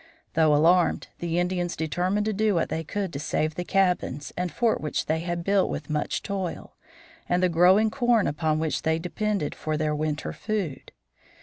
Though alarmed, the Indians determined to do what they could to save the cabins and fort which they had built with much toil, and the growing corn upon which they depended for their winter food.